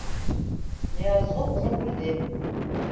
Ныязғол уны бүлде: